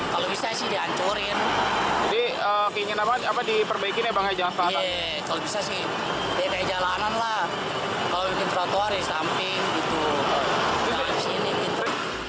kalau bisa sih kayak jalanan lah kalau bikin trotoar di samping gitu